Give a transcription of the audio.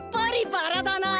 バラだなあ。